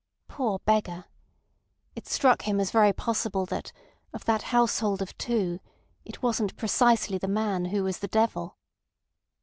Poor beggar! It struck him as very possible that of that household of two it wasn't precisely the man who was the devil.